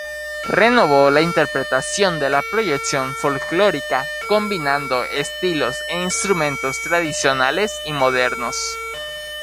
Renovó la interpretación de la proyección folclórica, combinando estilos e instrumentos tradicionales y modernos.